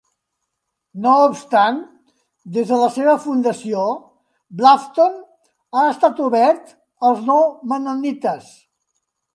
No obstant, des de la seva fundació, Bluffton ha estat obert als no mennonites.